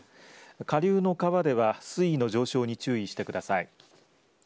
下流の川では水位の上昇に注意してください。